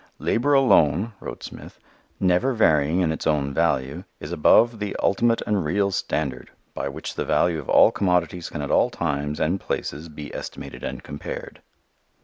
"Labor alone," wrote Smith, "never varying in its own value is above the ultimate and real standard by which the value of all commodities can at all times and places be estimated and compared."